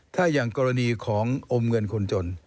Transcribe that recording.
ถ้าอย่างกรณีของอมเงินคนจน